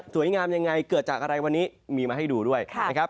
งามยังไงเกิดจากอะไรวันนี้มีมาให้ดูด้วยนะครับ